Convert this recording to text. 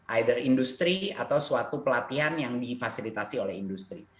either industri atau suatu pelatihan yang difasilitasi oleh industri